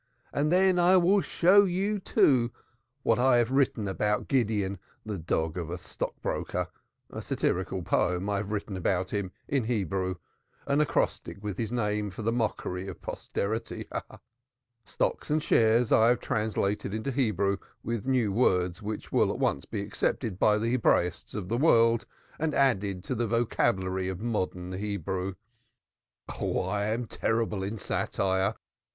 And then I will show you, too, what I have written about Gideon, M.P., the dog of a stockbroker a satirical poem have I written about him, in Hebrew an acrostic, with his name for the mockery of posterity. Stocks and shares have I translated into Hebrew, with new words which will at once be accepted by the Hebraists of the world and added to the vocabulary of modern Hebrew. Oh! I am terrible in satire.